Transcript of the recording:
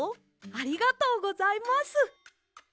ありがとうございます。